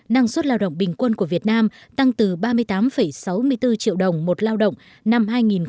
năng suất lao động bình quân của việt nam tăng từ ba mươi tám sáu mươi bốn triệu đồng một lao động năm hai nghìn sáu